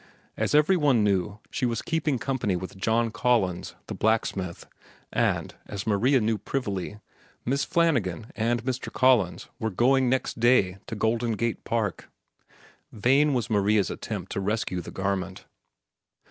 As every one knew, she was keeping company with John Collins, the blacksmith, and, as Maria knew privily, Miss Flanagan and Mr. Collins were going next day to Golden Gate Park. Vain was Maria's attempt to rescue the garment.